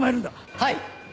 はい！